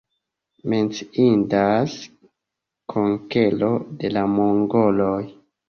Menciindas konkero de la mongoloj.